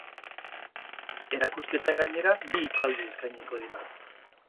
Erakusketan gainera, bi hitzaldi eskainiko dira.